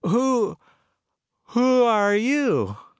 "Who who are you?"